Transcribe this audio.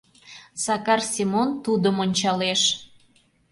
— Сакар Семон тудым ончалеш.